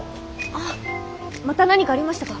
あっまた何かありましたか？